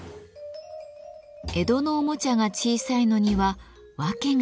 江戸のおもちゃが小さいのには訳があります。